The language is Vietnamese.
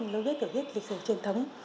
lối viết tiểu thuyết lịch sử truyền thống